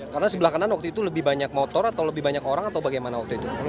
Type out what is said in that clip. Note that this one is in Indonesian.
karena sebelah kanan waktu itu lebih banyak motor atau lebih banyak orang atau bagaimana waktu itu